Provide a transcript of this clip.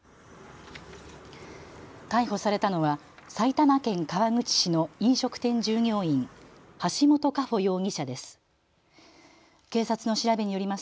逮捕されたのは埼玉県川口市の飲食店従業員、橋本佳歩容疑者です。